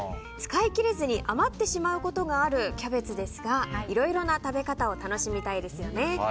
使いきれずに余ってしまうことがあるキャベツですがいろいろな食べ方を楽しみたいですよね。